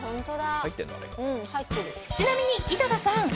ちなみに、井戸田さん。